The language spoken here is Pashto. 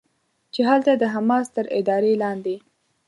چې هلته د حماس تر ادارې لاندې